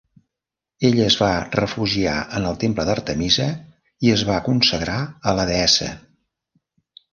Ella es va refugiar en el temple d'Artemisa i es va consagrar a la deessa.